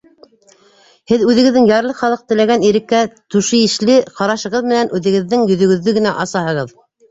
Һеҙ үҙегеҙҙең ярлы халыҡ теләгән иреккә тәшүишле ҡарашығыҙ менән үҙегеҙҙең йөҙөгөҙҙө генә асаһығыҙ.